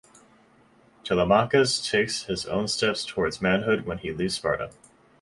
Telemachus takes his own steps toward manhood when he leaves Sparta.